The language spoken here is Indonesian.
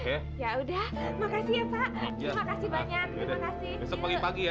makasih ya pak makasih banyak makasih besok pagi pagi ya jangan lupa ya